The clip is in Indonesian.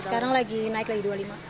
sekarang lagi naik lagi dua puluh lima